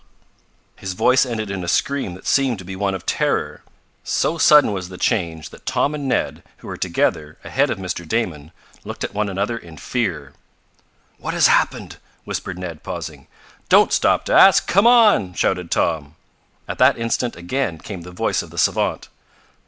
His voice ended in a scream that seemed to be one of terror. So sudden was the change that Tom and Ned, who were together, ahead of Mr. Damon, looked at one another in fear. "What has happened?" whispered Ned, pausing. "Don't stop to ask come on!" shouted Tom. At that instant again came the voice of the savant.